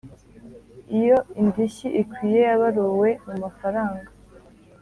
Iyo indishyi ikwiye yabaruwe mu mafaranga